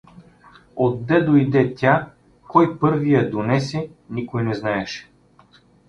Отде доде тя, кой първи я донесе — никой не знаеше.